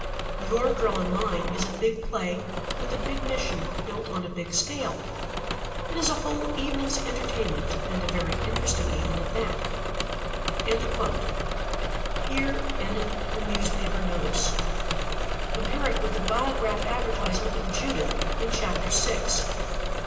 "'Your Girl and Mine' is a big play with a big mission built on a big scale. It is a whole evening's entertainment, and a very interesting evening at that." Here endeth the newspaper notice. Compare it with the Biograph advertisement of Judith in chapter six.